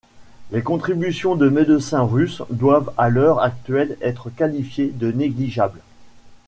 Les contributions de médecins russes doivent à l'heure actuelle être qualifiées de négligeables.